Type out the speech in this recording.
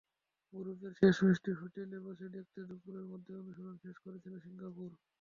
গ্রুপের শেষ ম্যাচটি হোটেলে বসে দেখতে দুপুরের মধ্যেই অনুশীলন শেষ করেছিল সিঙ্গাপুর।